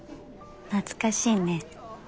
懐かしいね